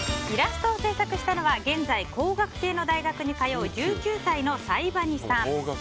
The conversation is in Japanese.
イラストを制作したのは現在、工学系の大学に通う１９歳のさいばにさん。